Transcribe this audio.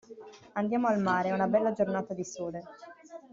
Andiamo al mare, è una bella giornata di sole.